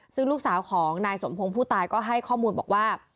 ซึ่งลูกสาวของนายสมพงศ์ผู้ตายก็ให้ข้อมูลบอกว่า